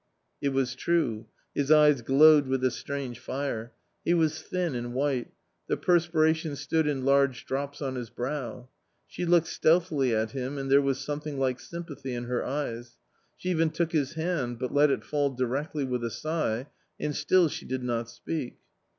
It was true; his eyes glowed with a strange fire. He was thin, and white ; the perspiration stood in large drops onliis bWw: She looked stealthily at him and there was something like sympathy in her eyes. She even took his hand, but let it fall directly with a sigh, and still she did not speak.